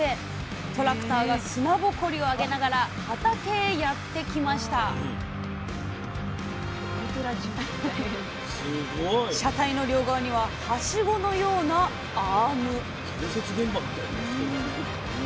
トラクターが砂ぼこりをあげながら畑へやって来ました車体の両側にはハシゴのようなアーム建設現場みたいになってる。